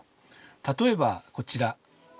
例えばこちら。